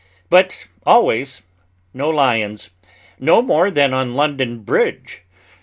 But always no lions, no more than on London Bridge.